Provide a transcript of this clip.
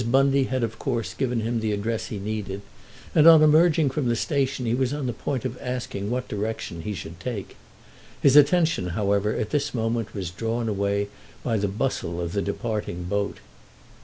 Bundy had of course given him the address he needed, and on emerging from the station he was on the point of asking what direction he should take. His attention however at this moment was drawn away by the bustle of the departing boat.